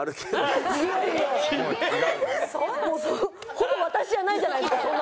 ほぼ私じゃないじゃないですかそんなの。